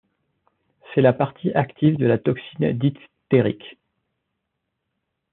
C’est la partie active de la toxine diphtérique.